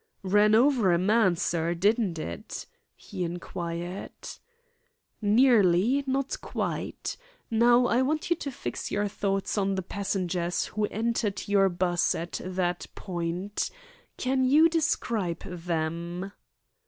"Ran over a man, sir, didn't it?" he inquired. "Nearly, not quite. Now, I want you to fix your thoughts on the passengers who entered your 'bus at that point. Can you describe them?"